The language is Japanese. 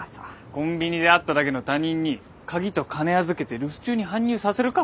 コンビニで会っただけの他人に鍵と金預けて留守中に搬入させるか？